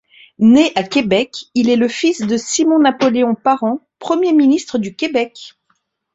Né à Québec, il est le fils de Simon-Napoléon Parent, premier ministre du Québec.